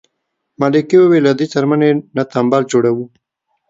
ملکې وویل له دې څرمنې نه تمبل جوړوو.